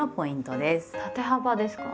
縦幅ですか？